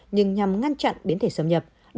nhưng nhằm ngăn chặn biến thể xâm nhập